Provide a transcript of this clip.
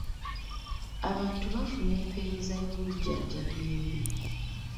Abantu bafuna empeereza y'obujjanjabi embi.